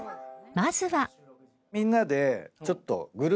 まずは。